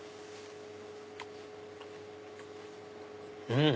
うん！